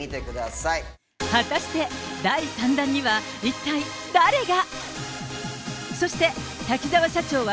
果たして、第３弾には一体誰が。